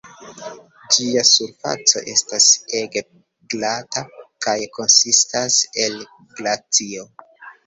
Ĝia surfaco estas ege glata kaj konsistas el glacio.